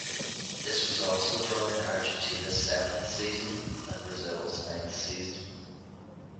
This was also done in Argentina's seventh season and Brazil's ninth season.